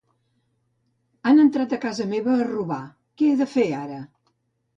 Han entrat a casa meva a roba, què he de fer ara?